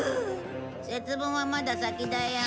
節分はまだ先だよ。